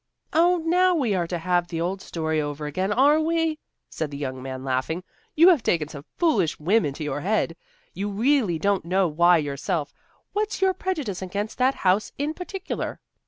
"Oh, now we are to have the old story over again, are we?" said the young man, laughing, "you have taken some foolish whim into your head; you really don't know why yourself. What's your prejudice against that house in particular?"